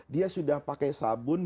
dia sudah pakai sabun